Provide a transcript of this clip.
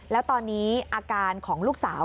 แล้วตอนนี้อาการของลูกสาว